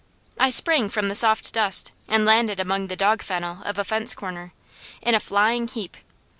I sprang from the soft dust and landed among the dog fennel of a fence corner, in a flying leap.